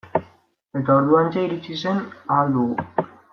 Eta orduantxe iritsi zen Ahal Dugu.